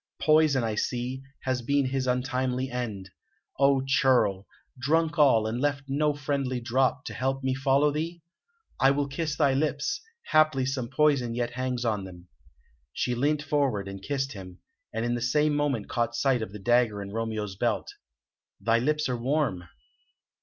"Poison, I see, has been his untimely end. O churl! drunk all, and left no friendly drop to help me to follow thee? I will kiss thy lips; haply some poison yet hangs on them." She leant forward and kissed him, and in the same moment caught sight of the dagger in Romeo's belt. "Thy lips are warm."